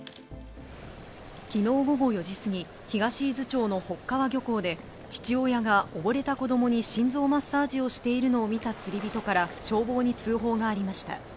きのう午後４時過ぎ、東伊豆町の北川漁港で、父親が溺れた子どもに心臓マッサージをしているのを見た釣り人から消防に通報がありました。